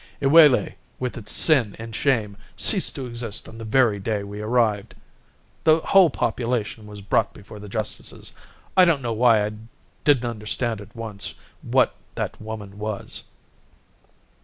"Iwelei, with its sin and shame, ceased to exist on the very day we arrived. The whole population was brought before the justices. I don't know why I didn't understand at once what that woman was."